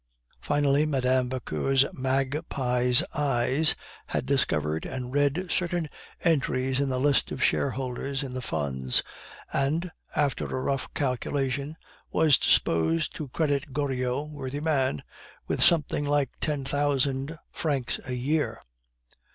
Finally, Mme. Vauquer's magpie's eye had discovered and read certain entries in the list of shareholders in the funds, and, after a rough calculation, was disposed to credit Goriot (worthy man) with something like ten thousand francs a year.